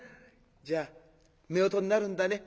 じゃあ夫婦になるんだね。